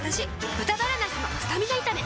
「豚バラなすのスタミナ炒め」